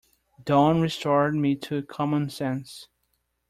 Dawn restored me to common sense.